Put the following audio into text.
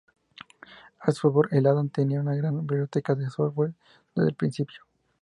A su favor, el Adam tenía una gran biblioteca de software desde el principio.